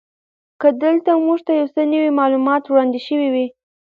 که دلته موږ ته یو څه نوي معلومات وړاندې شوي وی.